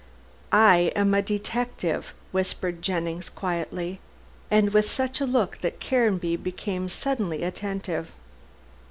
"I am a detective!" whispered Jennings quietly, and with such a look that Caranby became suddenly attentive.